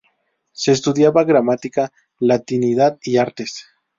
Se estudiaba Gramática, Latinidad y Artes.